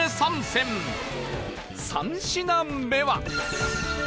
３品目は